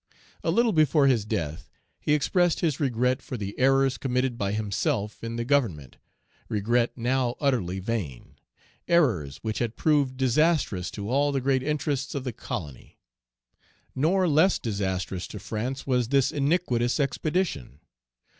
A little before his death, he expressed his regret for the errors committed by himself in the government, regret now utterly vain, errors which had proved disastrous to all the great interests of the colony. Nor less disastrous to France was this iniquitous expedition.